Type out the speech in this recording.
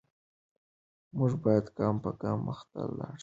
موږ باید ګام په ګام مخته لاړ شو.